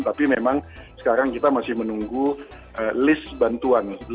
tapi memang sekarang kita masih menunggu list bantuan